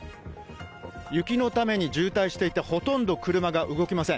雪のために渋滞していて、ほとんど車が動きません。